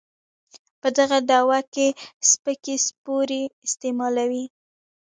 په دغه دعوه کې سپکې سپورې استعمالوي.